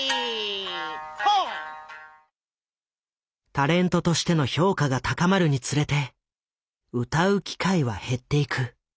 タレントとしての評価が高まるにつれて歌う機会は減っていく。